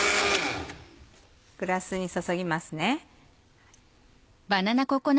グラスに注ぎます。